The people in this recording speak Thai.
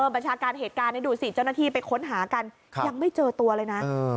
บัญชาการเหตุการณ์นี้ดูสิเจ้าหน้าที่ไปค้นหากันยังไม่เจอตัวเลยนะ